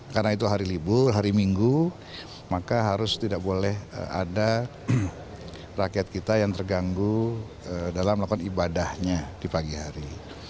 karena itu hari libur hari minggu maka harus tidak boleh ada rakyat kita yang terganggu dalam melakukan ibadahnya di pagi hari